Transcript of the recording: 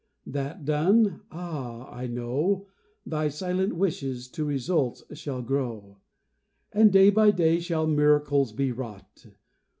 That done, ah! know, Thy silent wishes to results shall grow, And day by day shall miracles be wrought.